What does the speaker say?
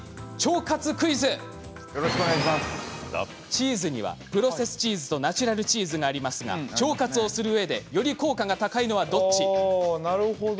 チーズにはプロセスチーズとナチュラルチーズがありますが腸活をするうえでより効果が高いのはどちらですか。